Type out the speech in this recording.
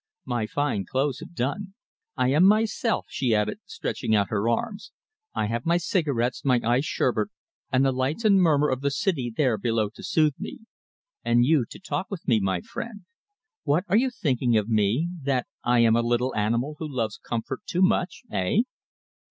My fine clothes have done. I am myself," she added, stretching out her arms. "I have my cigarettes, my iced sherbet, and the lights and murmur of the city there below to soothe me. And you to talk with me, my friend. What are you thinking of me that I am a little animal who loves comfort too much, eh?"